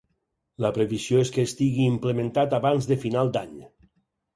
La previsió és que estigui implementat abans de final d’any.